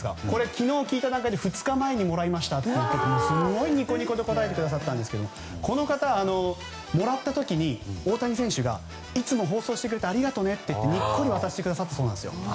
これ、昨日聞いた時に２日前にもらいましたとすごいニコニコで答えてくださったんですがこの方、もらった時に大谷選手がいつも放送してくれてありがとうねってにっこり渡してくださったそうなんですよ。